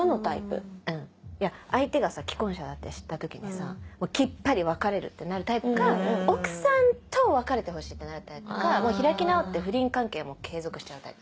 相手が既婚者だって知った時にさきっぱり別れるってなるタイプか奥さんと別れてほしいってなるタイプか開き直って不倫関係も継続しちゃうタイプ。